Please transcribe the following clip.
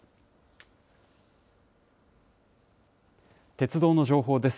鉄道の情報です。